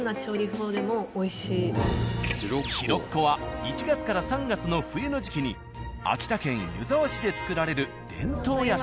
ひろっこは１月から３月の冬の時期に秋田県湯沢市で作られる伝統野菜。